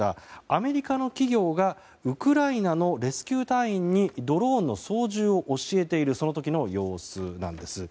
アメリカの企業がウクライナのレスキュー隊員にドローンの操縦を教えている時の様子なんです。